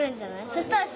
そしたら。